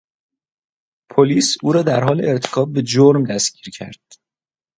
پلیس او را در حال ارتکاب به جرم دستگیر کرد.